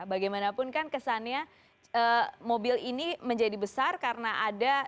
bagaimanapun kan kesannya mobil ini menjadi besar karena ada